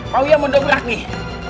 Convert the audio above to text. pak uya mau dobrak nih